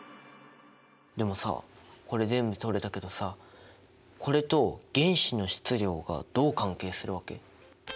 でもさこれ全部とれたけどさこれと原子の質量がどう関係するわけ？